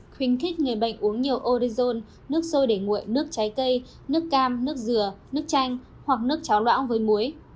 khuyến khích người bệnh uống nhiều odizone nước sôi để nguội nước trái cây nước cam nước dừa nước chanh hoặc nước cháo lõa với muối